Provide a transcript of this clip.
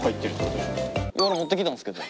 俺持ってきたんですけど。